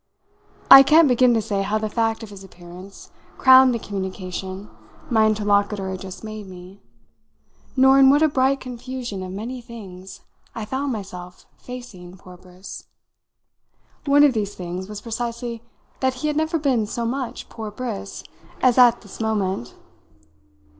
I can't begin to say how the fact of his appearance crowned the communication my interlocutor had just made me, nor in what a bright confusion of many things I found myself facing poor Briss. One of these things was precisely that he had never been so much poor Briss as at this moment.